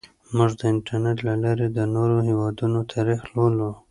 موږ د انټرنیټ له لارې د نورو هیوادونو تاریخ لولو.